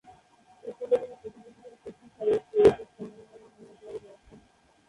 এরফলে তিনি প্রতিযোগিতার তৃতীয় সর্বোচ্চ উইকেট-সংগ্রহকারীর ভূমিকায় রয়েছেন।